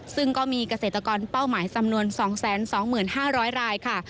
ซึ่งก็มีเกษตรกรเป้าหมายจำนวน๒๒๕๐๐รายค่ะ